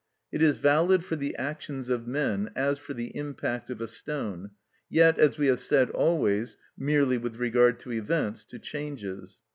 It is valid for the actions of men as for the impact of a stone, yet, as we have said always, merely with regard to events, to changes.